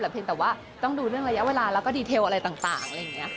แต่ว่าต้องดูเรื่องระยะเวลาแล้วก็ดีเทลอะไรต่าง